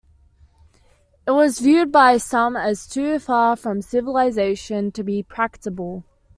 It was viewed by some as too far from civilization to be practicable.